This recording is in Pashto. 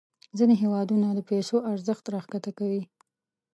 ځینې هیوادونه د پیسو ارزښت راښکته کوي.